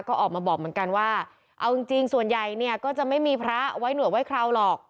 ก็ออกมาบอกเหมือนกันว่าเอาจริงส่วนใหญ่เนี่ยก็จะไม่มีพระไว้หนวดไว้คราวหรอก